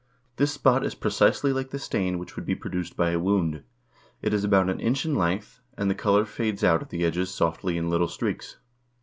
This spot is precisely like the stain which would be produced by a wound. It is about an inch in length, and the color fades out at the edges softly in little streaks.